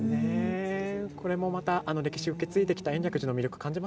これもまた歴史を受け継いできた